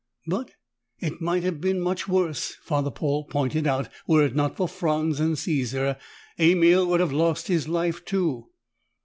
"But it might have been much worse," Father Paul pointed out. "Were it not for Franz and Caesar, Emil would have lost his life, too."